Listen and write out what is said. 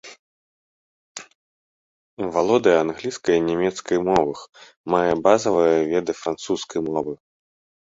Валодае англійскай і нямецкі мовах, мае базавыя веды французскай мовы.